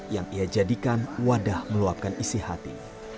yang ia jadikan wadah meluapkan isi hati